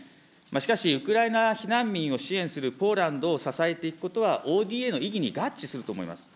しかしウクライナ難民を支援していくポーランドを支えていくことは、ＯＤＡの意義に合致すると思います。